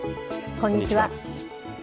こんにちは。